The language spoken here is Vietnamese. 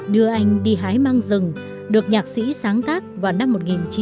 đưa anh đi hái mang rừng được nhạc sĩ sáng tác vào năm một nghìn chín trăm bảy mươi